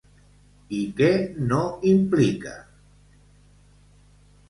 I què no implica?